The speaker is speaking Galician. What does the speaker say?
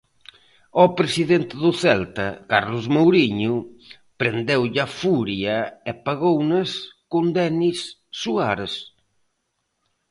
Ao presidente do Celta, Carlos Mouriño, prendeulle a furia e pagounas con Denis Suárez.